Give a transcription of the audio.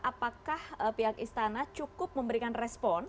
apakah pihak istana cukup memberikan respon